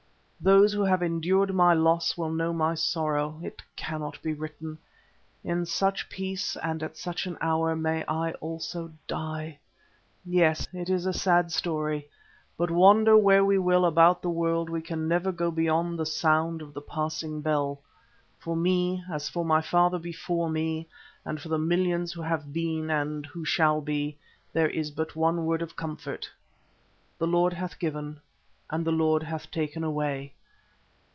Those who have endured my loss will know my sorrow; it cannot be written. In such peace and at such an hour may I also die! Yes, it is a sad story, but wander where we will about the world we can never go beyond the sound of the passing bell. For me, as for my father before me, and for the millions who have been and who shall be, there is but one word of comfort. "The Lord hath given, and the Lord hath taken away."